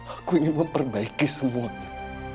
aku ingin memperbaiki semuanya